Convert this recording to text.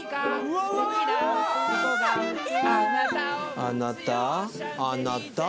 あなたあなた。